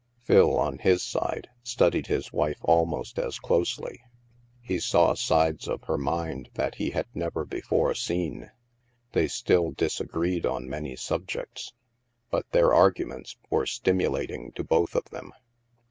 Phil, on his side, studied his wife almost as closely. He saw sides of her mind that he had never before seen. They still disagreed on many subjects, but their arguments were stimulating to both of them.